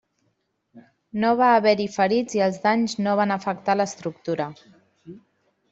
No va haver-hi ferits i els danys no van afectar l'estructura.